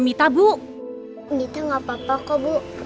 mita gak apa apa kok bu